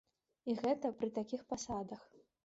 І гэта пры такіх пасадах!